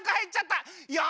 よし！